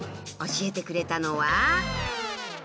教えてくれたのは。